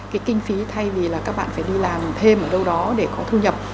cái kinh phí thay vì là các bạn phải đi làm thêm ở đâu đó để có thu nhập